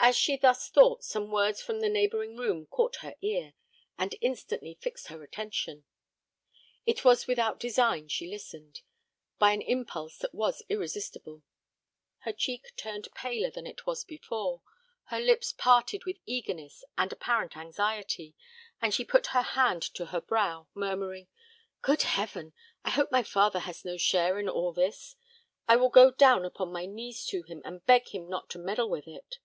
As she thus thought, some words from the neighbouring room caught her ear, and instantly fixed her attention. It was without design she listened: by an impulse that was irresistible. Her cheek turned paler than it was before; her lips parted with eagerness and apparent anxiety; and she put her hand to her brow, murmuring, "Good heaven! I hope my father has no share in all this! I will go down upon my knees to him, and beg him not to meddle with it."